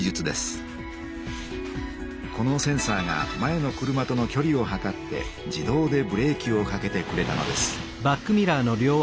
このセンサーが前の車とのきょりをはかって自動でブレーキをかけてくれたのです。